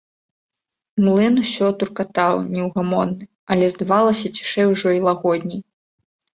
Млын усё туркатаў, неўгамонны, але, здавалася, цішэй ужо і лагодней.